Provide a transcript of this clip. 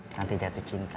nanti jatuh cinta